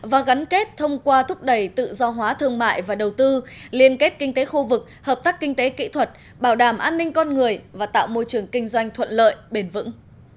và gắn kết thông qua thúc đẩy tự do hóa thương mại và đầu tư liên kết kinh tế khu vực hợp tác kinh tế kỹ thuật bảo đảm an ninh con người và tạo môi trường kinh doanh thuận lợi bền vững